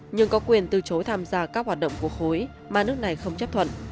nhưng có quyền từ chối tham gia các hoạt động của khối mà nước này không chấp thuận